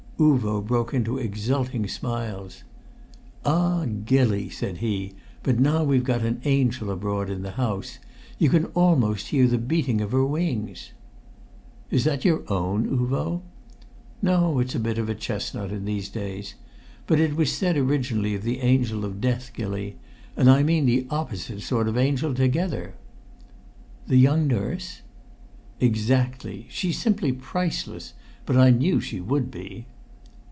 Uvo broke into exulting smiles. "Ah! Gilly," said he, "but now we've got an angel abroad in the house. You can almost hear the beating of her wings!" "Is that your own, Uvo?" "No; it's a bit of a chestnut in these days. But it was said originally of the angel of death, Gilly, and I mean the opposite sort of angel altogether." "The young nurse?" "Exactly. She's simply priceless. But I knew she would be."